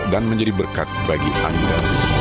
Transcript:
dan menjadi berkat bagi anda